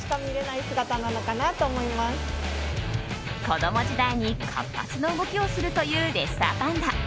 子供時代に活発な動きをするというレッサーパンダ。